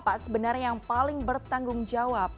pak sebenarnya yang paling bertanggung jawab